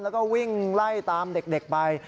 แล้วก็วิ่งไล่ตามเด็กไป